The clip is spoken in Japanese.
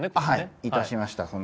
はい致しました